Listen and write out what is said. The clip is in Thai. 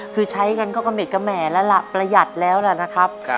ที่ใช้กันก็เมกกะแหมละละประหยัดแล้วละนะครับ